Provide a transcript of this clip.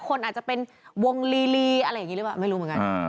คนอาจจะเป็นวงลีอะไรอย่างนี้หรือเปล่าไม่รู้เหมือนกัน